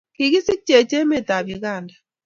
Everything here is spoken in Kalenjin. kikisikchech emetab uganda